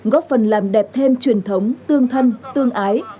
góp phần làm đẹp thêm truyền thống tương thân tương ái